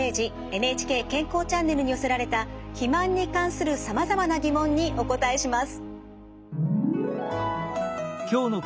ＮＨＫ健康チャンネルに寄せられた肥満に関するさまざまな疑問にお答えします。